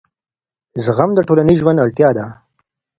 زغم د ټولنیز ژوند اړتیا ده.